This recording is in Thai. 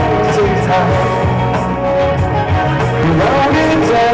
ขอบคุณทุกเรื่องราว